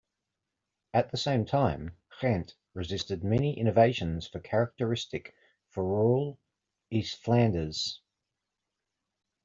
At the same time, Ghent resisted many innovations characteristic for rural East Flanders.